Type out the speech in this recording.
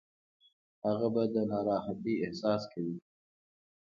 هغه به د ناراحتۍ احساس کوي.